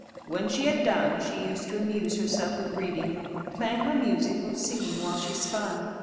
When she had done, she used to amuse herself with reading, playing her music, or singing while she spun.